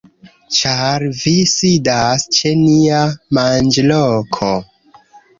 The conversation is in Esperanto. Ĉar vi sidas ĉe nia manĝloko!